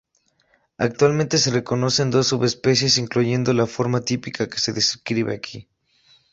Actualmente, se reconocen dos subespecies, incluyendo la forma típica que se describe aquí.